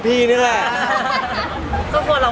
ไม่ได้เจอในคุณหรอก